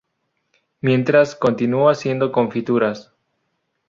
Mientras, continuó haciendo confituras.